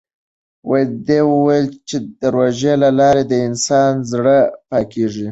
ده وویل چې د روژې له لارې د انسان زړه پاکېږي.